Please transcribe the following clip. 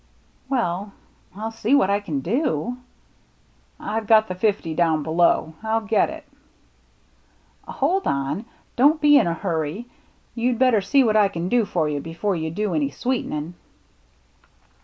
" Well, I'll see what I can do." " I've got the fifty* down below. I'll get it." " Hold on — don't be in a hurry. You'd better see what I can do for you before you do any sweetenin'."